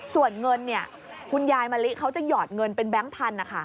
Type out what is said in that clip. ส่วนเงินคุณยายมะลิเขาจะหยอดเงินเป็นแก๊งพันธุ์